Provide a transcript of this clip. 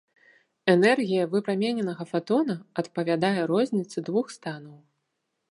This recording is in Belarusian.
Энергія выпрамененага фатона адпавядае розніцы двух станаў.